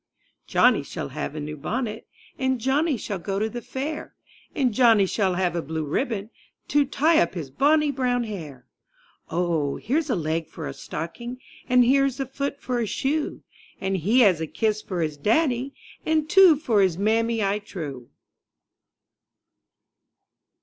JOHNNY shall have a new bonnet. And Johnny shall go to the fair. And Johnny shall have a blue ribbo To tie up his bonny brown hair. Oh, here's a leg for a stocking. And here's a foot for a shoe. And he has a kiss for his daddy. And two for his mammy, I trow.